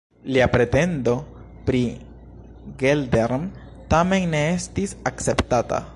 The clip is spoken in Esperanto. Lia pretendo pri Geldern tamen ne estis akceptata.